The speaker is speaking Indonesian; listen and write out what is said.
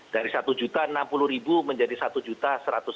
dari satu enam juta menjadi satu satu juta